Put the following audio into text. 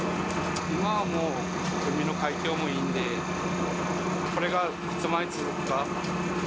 今はもう海の環境もいいんで、これがいつまで続くか。